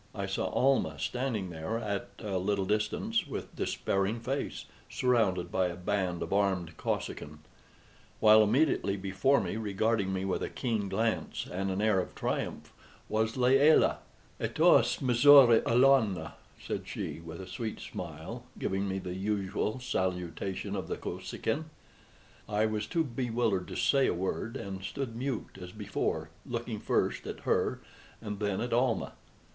I saw Almah standing there at a little distance, with despairing face, surrounded by a band of armed Kosekin; while immediately before me, regarding me with a keen glance and an air of triumph, was Layelah. "Ataesmzori alonla," said she, with a sweet smile, giving me the usual salutation of the Kosekin. I was too bewildered to say a word, and stood mute as before, looking first at her and then at Almah.